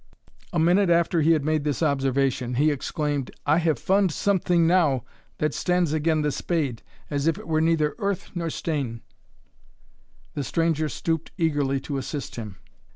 A minute after he had made this observation, he exclaimed, "I hae fund something now that stands again' the spade, as if it were neither earth nor stane." The stranger stooped eagerly to assist him.